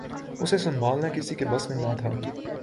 اسے سنبھالنا کسی کے بس میں نہ تھا